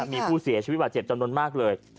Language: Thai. มีผู้เสียชีวิตบาดเจ็บจำนวนมากเลย